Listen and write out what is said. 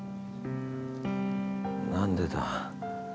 何でだ？